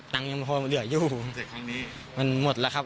ยังพอเหลืออยู่แต่ครั้งนี้มันหมดแล้วครับ